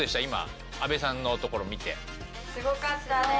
今安部さんのところ見て。